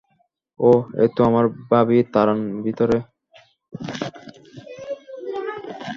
ওহ, এ তো আমার ভাবি তারান ভিতরে!